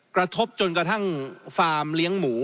กระทบจนกระทั่งฟาร์มเลี้ยงหมู